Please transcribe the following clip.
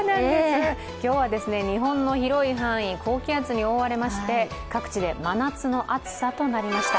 今日は日本の広い範囲高気圧に覆われまして各地で真夏の暑さとなりました。